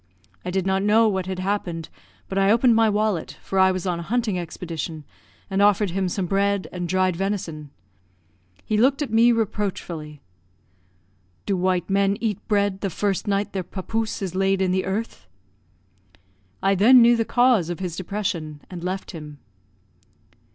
I did not know what had happened, but I opened my wallet, for I was on a hunting expedition, and offered him some bread and dried venison. He looked at me reproachfully. "'Do white men eat bread the first night their papouse is laid in the earth?' "I then knew the cause of his depression, and left him."